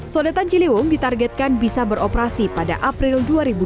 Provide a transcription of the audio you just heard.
sodetan ciliwung ditargetkan bisa beroperasi pada april dua ribu dua puluh